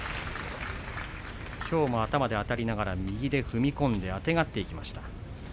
きょうも頭であたりながら右で踏み込んであてがっていきました。